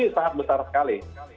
sangat besar sekali